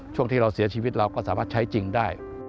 ช่วงที่เราเสียชีวิตเราก็สามารถใช้จริงได้